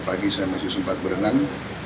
pagi saya masih sempat berenang